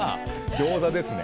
ギョーザですね。